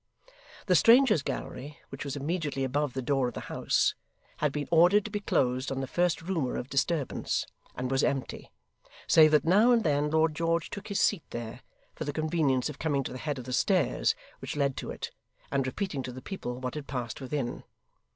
The strangers' gallery, which was immediately above the door of the House, had been ordered to be closed on the first rumour of disturbance, and was empty; save that now and then Lord George took his seat there, for the convenience of coming to the head of the stairs which led to it, and repeating to the people what had passed within.